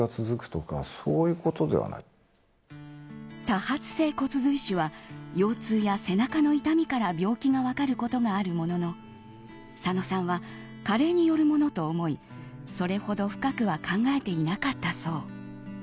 多発性骨髄腫は腰痛や背中の痛みから病気が分かることがあるものの佐野さんは加齢によるものと思いそれほど深くは考えていなかったそう。